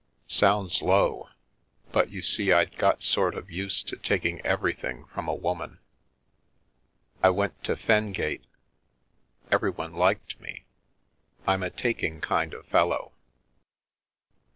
Sounds low, but you see I'd got sort of used to taking everything from a woman. I went to Fengate. Every one liked me. I'm a taking kind of fellow."